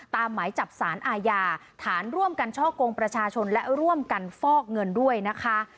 หมายจับสารอาญาฐานร่วมกันช่อกงประชาชนและร่วมกันฟอกเงินด้วยนะคะ